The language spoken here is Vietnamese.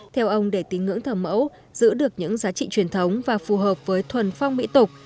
theo ông để tín ngưỡng thờ mẫu giữ được những giá trị truyền thống và phù hợp với thuần phong mỹ tục